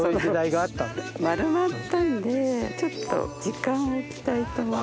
丸まったんでちょっと時間をおきたいと思います。